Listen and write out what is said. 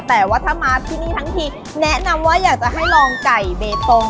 แต่ว่าถ้ามาที่นี่ทั้งทีแนะนำว่าอยากจะให้ลองไก่เบตง